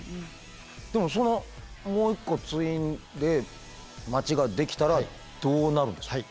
でもそのもう一個ツインで街が出来たらどうなるんですか？